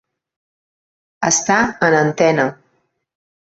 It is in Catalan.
Està en antena.